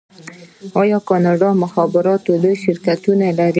کاناډا د مخابراتو لوی شرکتونه لري.